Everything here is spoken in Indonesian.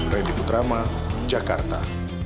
randy putrama jakarta